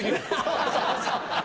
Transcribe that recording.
そうそうそう。